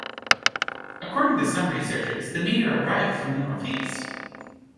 According to some researchers the meteor arrived from the north-east.